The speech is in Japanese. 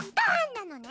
なのね。